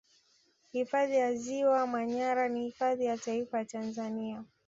Hifadhi ya Ziwa Manyara ni hifadhi ya Taifa ya Tanzania